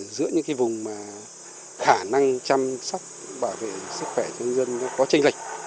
giữa những vùng khả năng chăm sóc bảo vệ sức khỏe cho nhân dân có tranh lệch